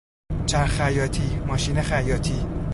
چرخ خیاطی، ماشین خیاطی